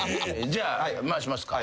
じゃあ回しますか。